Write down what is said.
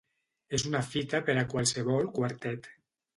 És una fita per a qualsevol quartet.